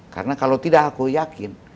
karena kalau tidak aku yakin